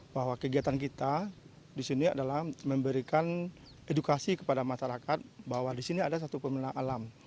bahwa kegiatan kita di sini adalah memberikan edukasi kepada masyarakat bahwa di sini ada satu pemina alam